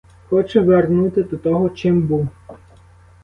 Хочу вернути до того, чим був.